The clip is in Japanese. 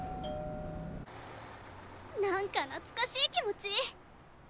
何か懐かしい気持ち。